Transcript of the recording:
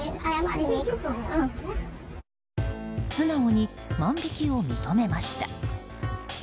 素直に万引きを認めました。